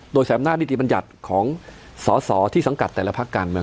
โดยใช้อำนาจนิติบัญญัติของสอสอที่สังกัดแต่ละภาคการเมือง